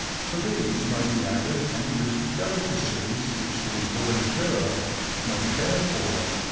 To these may be added any little delicacies which the voyageur may care for.